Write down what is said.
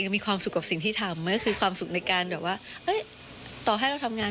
มีความสุขกับสิ่งที่ทำก็คือความสุขในการแบบว่าต่อให้เราทำงาน